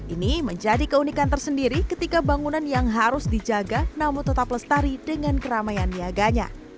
ini menjadi keunikan tersendiri ketika bangunan yang harus dijaga namun tetap lestari dengan keramaian niaganya